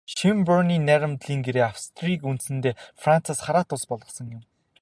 Шёнбрунны найрамдлын гэрээ Австрийг үндсэндээ Францаас хараат улс болгосон юм.